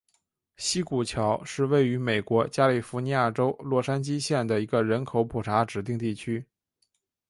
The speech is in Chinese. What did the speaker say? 西谷桥是位于美国加利福尼亚州洛杉矶县的一个人口普查指定地区。